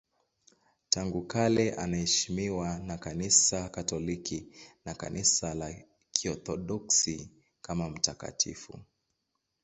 Tangu kale anaheshimiwa na Kanisa Katoliki na Kanisa la Kiorthodoksi kama mtakatifu.